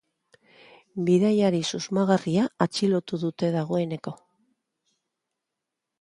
Bidaiari susmagarria atxilotu dute dagoeneko.